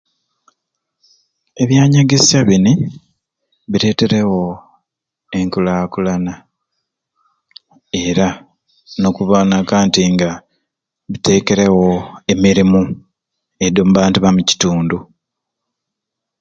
Ebyanyegesya bini bireterewo enkulakulana era okuboneka nti nga bitekerewo emirimu edi abantu bamukitundu